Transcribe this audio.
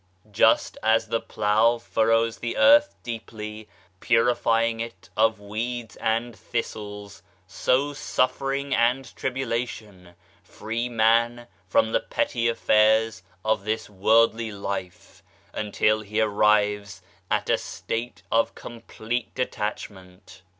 Just as the plough furrows the earth deeply, purifying it of weeds and thistles, so suffering and tribulation free man from the petty affairs of this worldly life until he arrives at a state of complete detachment.